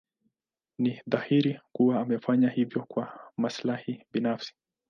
Ni dhahiri kuwa amefanya hivyo kwa maslahi binafsi.